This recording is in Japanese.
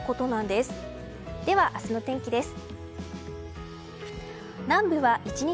では明日の天気です。